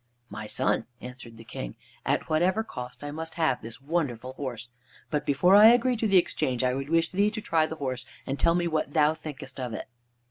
"My son," answered the King, "at whatever cost I must have this wonderful horse. But before I agree to the exchange, I would wish thee to try the horse, and tell me what thou thinkest of it."